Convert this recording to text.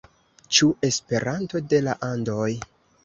Ĉu Esperanto de la Andoj?